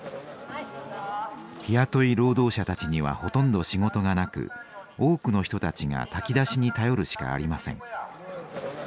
日雇い労働者たちにはほとんど仕事がなく多くの人たちが炊き出しに頼るしかありません。